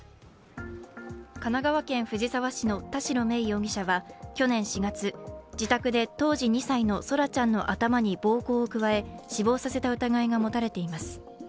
神奈川県藤沢市の田代芽衣容疑者は去年４月、自宅で当時２歳の空来ちゃんの頭に暴行を加え死亡させた疑いが持たれています。